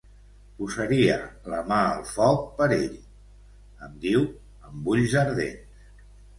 Posaria la mà al foc per ell —em diu, amb ulls ardents—.